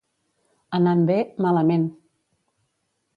Anant bé, malament.